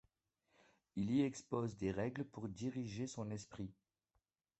Il y expose des règles pour diriger son esprit.